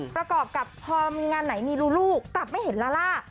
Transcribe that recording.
ประกอบกับพอมีงานไหนมีรูลูกลับไม่เห็นลาล่า